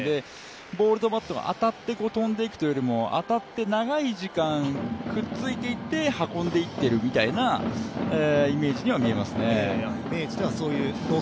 ボールとバットが当たって飛んでいくというよりも当たって長い時間、ひっついていって運んでいっているみたいなイメージには見えますね。